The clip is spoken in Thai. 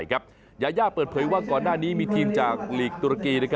ยาย่าเปิดเผยว่าก่อนหน้านี้มีทีมจากลีกตุรกี